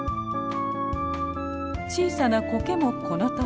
小さなコケもこのとおり。